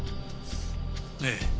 ええ。